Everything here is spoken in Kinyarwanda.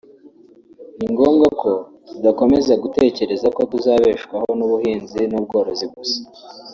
“ni ngombwa ko tudakomeza gutekereza ko tuzabeshwaho n’ubuhinzi n’ubworozi gusa